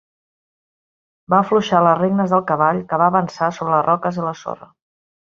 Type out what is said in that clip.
Va afluixar les regnes del cavall, que va avançar sobre les roques i la sorra.